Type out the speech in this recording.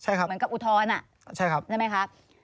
ใช่ครับมันก็อุทธรณ์ใช่ไหมครับ